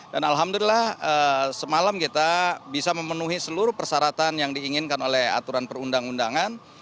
dan alhamdulillah semalam kita bisa memenuhi seluruh persyaratan yang diinginkan oleh aturan perundang undangan